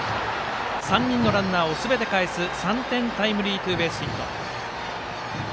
３人のランナーをすべてかえす３点タイムリースリーベースヒット。